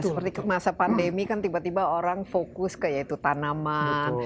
seperti masa pandemi kan tiba tiba orang fokus ke yaitu tanaman